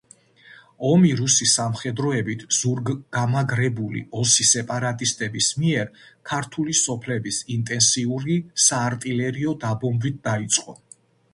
ომი რუსი სამხედროებით ზურგგამაგრებული ოსი სეპარატისტების მიერ ქართული სოფლების ინტენსიური საარტილერიო დაბომბვით დაიწყო